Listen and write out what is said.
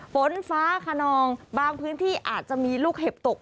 ฝนฟ้าขนองบางพื้นที่อาจจะมีลูกเห็บตก